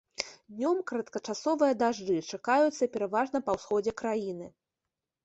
Днём кароткачасовыя дажджы чакаюцца пераважна па ўсходзе краіны.